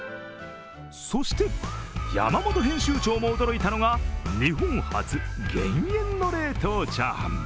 そして山本編集長も驚いたのが日本初、減塩の冷凍チャーハン。